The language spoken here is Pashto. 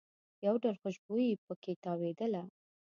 یو ډول خوشبويي په کې تاوېدله.